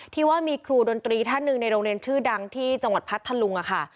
ที่ว่ามีครูดนตรีท่านหนึ่งในโรงเรียนชื่อดังที่จังหวัดพัทธลุงค่ะ